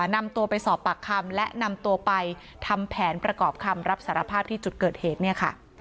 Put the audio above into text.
นำตัวไปสอบปากคำและนำตัวไปทำแผนประกอบคำรับสารภาพที่จุดเกิดเหตุเนี่ยค่ะ